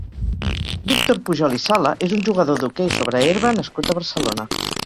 Víctor Pujol i Sala és un jugador d'hoquei sobre herba nascut a Barcelona.